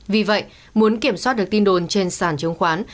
vì vậy muốn kiểm soát được tin đồn trên sàn chứng khoán